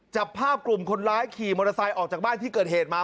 จับภาพกลุ่มคนร้ายขี่มอเตอร์ไซค์ออกจากบ้านที่เกิดเหตุมา